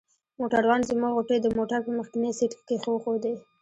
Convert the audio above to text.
موټروان زموږ غوټې د موټر په مخکني سیټ کې کښېښودې.